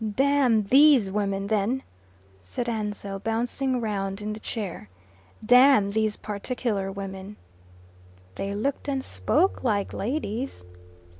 "Damn THESE women, then," said Ansell, bouncing round in the chair. "Damn these particular women." "They looked and spoke like ladies."